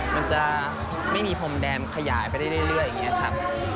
มันจะไม่มีพรมแดนขยายไปได้เรื่อยอย่างนี้ครับ